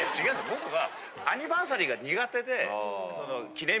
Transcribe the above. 僕は。